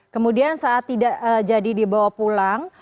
kemudian saat tidak jadi dibawa pulang